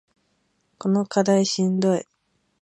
この課題しんどい